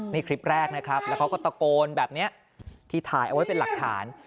นี่คลิปแรกนะครับแล้วเขาก็ตะโกนแบบนี้ที่ถ่ายเอาไว้เป็นหลักฐาน